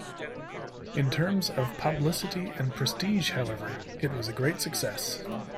In terms of publicity and prestige however, it was a great success.